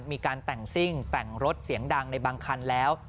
มีการแต่งซิ่งแต่งรถเสียงดังในบางคันแล้ว